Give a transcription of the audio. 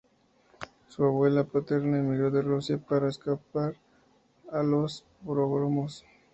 Su abuela paterna emigró de Rusia para escapar a los pogromos.